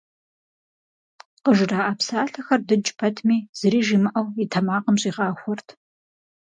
Къыжраӏэ псалъэхэр дыдж пэтми, зыри жимыӏэу, и тэмакъым щӏигъахуэрт.